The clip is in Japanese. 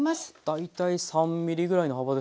大体３ｍｍぐらいの幅ですか？